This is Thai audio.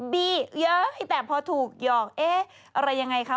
บี้เย้ยแต่พอถูกหยอกเอ๊ะอะไรยังไงคะ